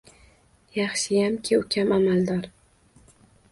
Yaxshiyamki, ukam amaldor